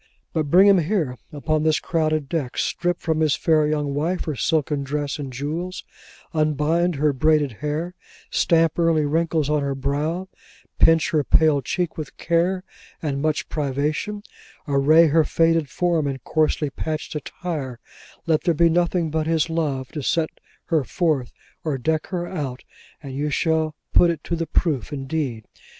But bring him here, upon this crowded deck. Strip from his fair young wife her silken dress and jewels, unbind her braided hair, stamp early wrinkles on her brow, pinch her pale cheek with care and much privation, array her faded form in coarsely patched attire, let there be nothing but his love to set her forth or deck her out, and you shall put it to the proof indeed.